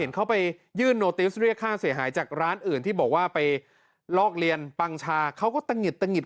เข้าไปยื่นโนติสเรียกค่าเสียหายจากร้านอื่นที่บอกว่าไปลอกเรียนปังชาเขาก็ตะหิดตะหิด